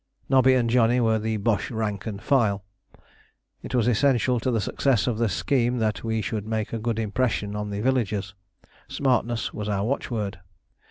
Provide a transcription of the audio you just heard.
Nobby and Johnny were the Boche rank and file. It was essential to the success of the scheme that we should make a good impression on the villagers. Smartness was our watchword.